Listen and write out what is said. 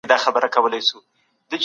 سپورت د اوونۍ په اوږدو کې ښه خوب ورکوي.